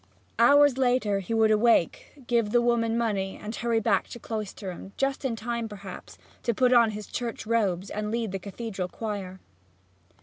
Hours later he would awake, give the woman money and hurry back to Cloisterham just in time, perhaps, to put on his church robes and lead the cathedral choir.